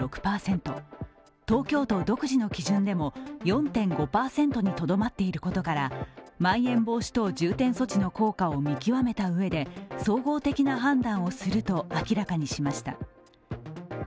東京都独自の基準でも４．５％にとどまっていることからまん延防止等重点措置の効果を見極めたうえで総合的な判断をすると明らかにしました。